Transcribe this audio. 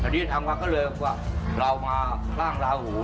อันนี้ทางวัดก็เลยว่าเรามาสร้างราหู